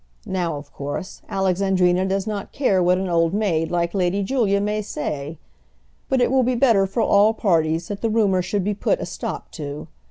Now, of course, Alexandrina does not care what an old maid like Lady Julia may say; but it will be better for all parties that the rumour should be put a stop to.